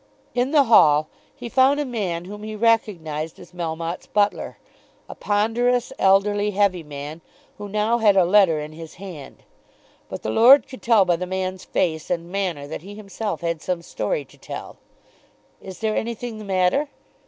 In the hall he found a man whom he recognised as Melmotte's butler, a ponderous, elderly, heavy man who now had a letter in his hand. But the lord could tell by the man's face and manner that he himself had some story to tell. "Is there anything the matter?"